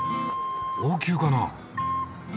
王宮かな？